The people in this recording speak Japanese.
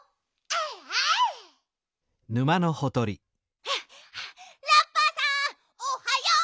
はあはあラッパーさんおはよう！